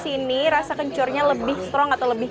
iniis new burung tanah